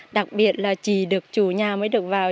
đặc biệt là chỉ được chủ nhà mới được vào